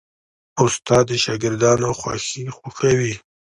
استاد د شاګردانو خوښي خوښوي.